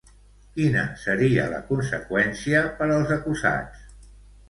Quina seria la conseqüència per als acusats?